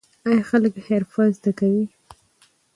آیا خلک حرفه زده کوي؟